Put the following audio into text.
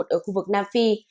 ở khu vực nam phi